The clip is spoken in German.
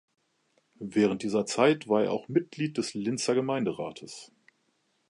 Während dieser Zeit war er auch Mitglied des Linzer Gemeinderates.